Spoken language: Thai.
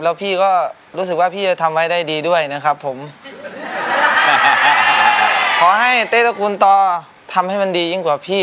แล้วพี่ก็รู้สึกว่าพี่จะทำไว้ได้ดีด้วยนะครับผมขอให้เต้ตระกูลต่อทำให้มันดียิ่งกว่าพี่